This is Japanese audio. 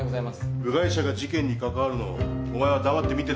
部外者が事件に関わるのをお前は黙って見てたのか。